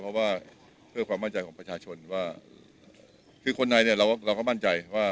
เพราะว่าเพื่อความมั่นใจของประชาชนว่าคือคนในเนี่ยเราก็มั่นใจว่า